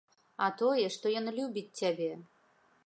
А тое, што ён любіць цябе.